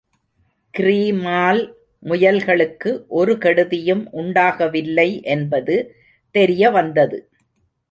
கிரீமால் முயல்களுக்கு ஒரு கெடுதியும் உண்டாகவில்லை என்பது தெரியவந்தது.